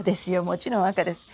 もちろん赤です。